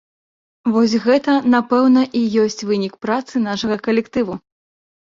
Вось гэта, напэўна, і ёсць вынік працы нашага калектыву.